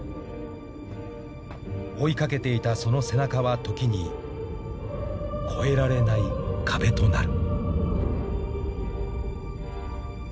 ［追い掛けていたその背中は時に越えられない壁となる］